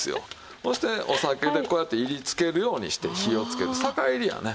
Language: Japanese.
そしてお酒でこうやって煎りつけるようにして火をつける酒煎りやね。